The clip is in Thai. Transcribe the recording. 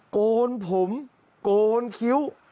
โกนผมโกนคิ้ว